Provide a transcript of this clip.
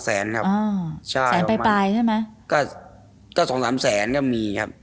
สามสามแสนก็มียังไม่รวมมาชีดอะไรแบบนี้ครับ